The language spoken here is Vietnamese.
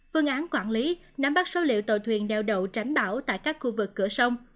phương án quản lý nắm bắt số liệu tàu thuyền đeo đậu tránh bão tại các khu vực cửa sông